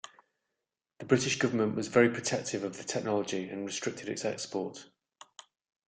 The British government was very protective of the technology and restricted its export.